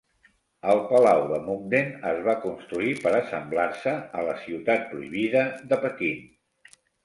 El Palau de Mukden es va construir per assemblar-se la Ciutat Prohibida de Pequín.